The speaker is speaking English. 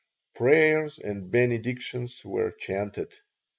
Prayers and benedictions were chanted.